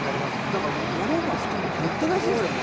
だから物も人もごった返しですね。